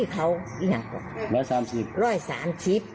เค้าอยากพายดูหาอีกที่